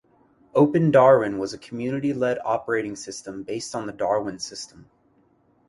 OpenDarwin was a community-led operating system based on the Darwin system.